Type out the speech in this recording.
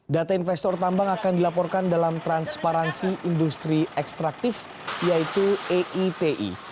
data investor tambang akan dilaporkan dalam transparansi industri ekstraktif yaitu eiti